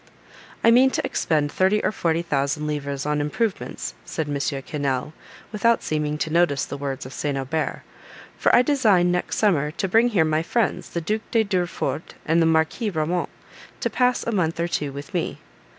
"I mean to expend thirty or forty thousand livres on improvements," said M. Quesnel, without seeming to notice the words of St. Aubert; "for I design, next summer, to bring here my friends, the Duke de Durefort and the Marquis Ramont, to pass a month or two with me."